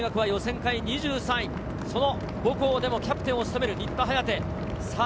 育英大学は予選会２３位、その母校でもキャプテンを務める新田颯。